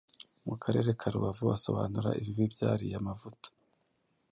mu Karere ka Rubavu asobanura ibibi by’ariya mavuta